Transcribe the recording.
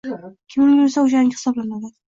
Kim ulgursa o‘shaniki hisoblanadi.